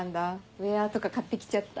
ウエアとか買って来ちゃった。